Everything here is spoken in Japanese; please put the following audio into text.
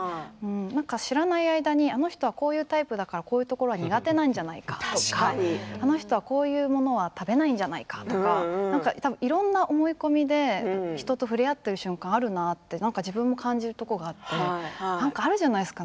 知らない間にあの人はこういうタイプだからこういうところは苦手なんじゃないかとかあの人は、こういうものは食べないじゃないかとかいろんな思い込みで人と触れ合ったりする瞬間があるなと自分の感じることがあってなんかあるじゃないですか。